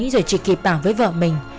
rồi chỉ kịp bảo với vợ mình